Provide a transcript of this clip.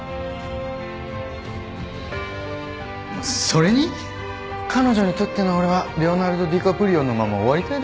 それに彼女にとっての俺はレオナルド・ディカプリオのまま終わりたいだろ。